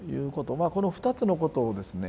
まあこの２つのことをですね